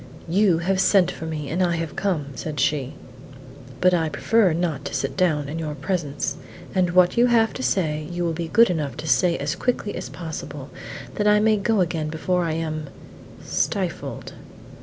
"You have sent for me, and I have come," said she. "But I prefer not to sit down in your presence; and what you have to say, you will be good enough to say as quickly as possible, that I may go again before I am stifled!"